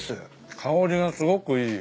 香りがすごくいい。